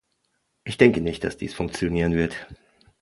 Ich denke nicht, dass dies funktionieren wird.